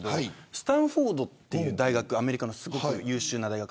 スタンフォードっていうアメリカの優秀な大学